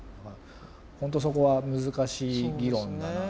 本当そこは難しい議論だなと。